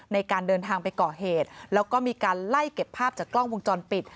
ในการเดินทางไปก่อเหตุแล้วก็มีการไล่เก็บภาพจากกล้องวงจรปิด